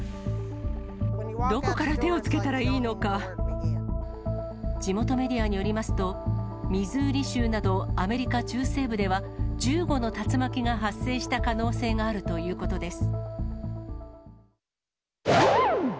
どこから手をつけたらいいの地元メディアによりますと、ミズーリ州などアメリカ中西部では、１５の竜巻が発生した可能性があるということです。